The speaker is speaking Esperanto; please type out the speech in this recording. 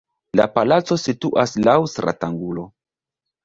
La palaco situas laŭ stratangulo.